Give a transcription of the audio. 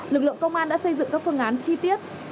lực lượng công an đã xây dựng các phương án chi tiết